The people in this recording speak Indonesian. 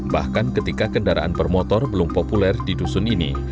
bahkan ketika kendaraan bermotor belum populer di dusun ini